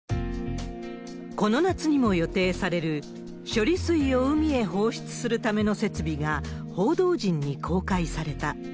この夏にも予定される、処理水を海へ放出するための設備が、報道陣に公開された。